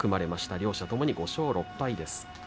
両者ともに５勝６敗です。